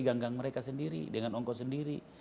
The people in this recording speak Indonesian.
ganggang mereka sendiri dengan ongkot sendiri